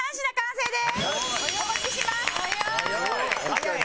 早い！